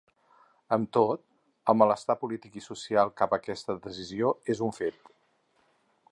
Amb tot, el malestar polític i social cap a aquesta decisió és un fet.